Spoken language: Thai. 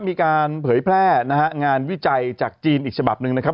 มีการเผยแพร่นะฮะงานวิจัยจากจีนอีกฉบับหนึ่งนะครับ